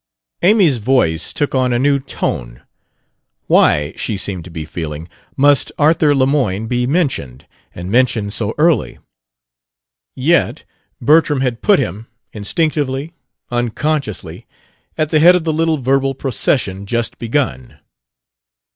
Amy's voice took on a new tone. Why, she seemed to be feeling, must Arthur Lemoyne be mentioned, and mentioned so early? Yet Bertram had put him instinctively, unconsciously at the head of the little verbal procession just begun.